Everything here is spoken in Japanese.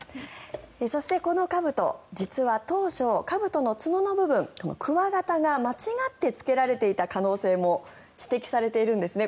そして、このかぶと実は当初、かぶとの角の部分鍬形が間違ってつけられていた可能性も指摘されているんですね。